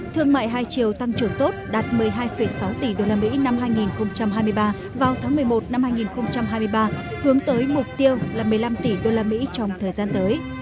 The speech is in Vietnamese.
thương mại hai chiều tăng trưởng tốt đạt một mươi hai sáu tỷ usd năm hai nghìn hai mươi ba vào tháng một mươi một năm hai nghìn hai mươi ba hướng tới mục tiêu là một mươi năm tỷ usd trong thời gian tới